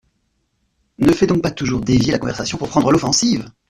Ne fais donc pas toujours dévier la conversation pour prendre l’offensive !